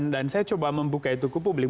dan saya coba membuka itu ke publik